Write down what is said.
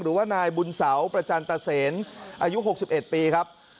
หรือว่านายบุญเสาประจันตเซนอายุ๖๑ปีครับ